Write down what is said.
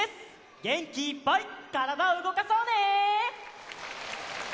げんきいっぱいからだをうごかそうね！